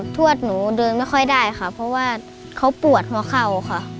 ทวดหนูเดินไม่ค่อยได้ค่ะเพราะว่าเขาปวดหัวเข่าค่ะ